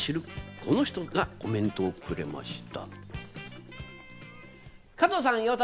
この人がコメントをくれました。